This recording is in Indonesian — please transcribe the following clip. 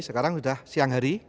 sekarang sudah siang hari